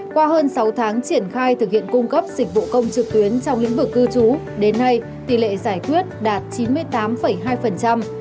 qua hơn sáu tháng triển khai thực hiện cung cấp dịch vụ công trực tuyến trong lĩnh vực cư trú đến nay tỷ lệ giải quyết đạt chín mươi tám hai